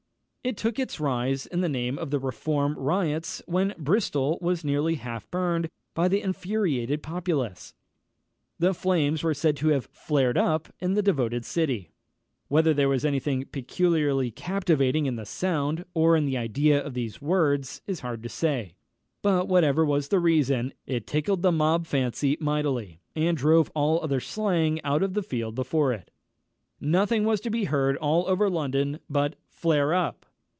It took its rise in the time of the Reform riots, when Bristol was nearly half burned by the infuriated populace. The flames were said to have flared up in the devoted city. Whether there was any thing peculiarly captivating in the sound, or in the idea of these words, is hard to say; but whatever was the reason, it tickled the mob fancy mightily, and drove all other slang out of the field before it. Nothing was to be heard all over London but "_flare up!